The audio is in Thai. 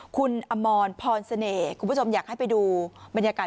คุณอมรพรเสน่ห์คุณผู้ชมอยากให้ไปดูบรรยากาศ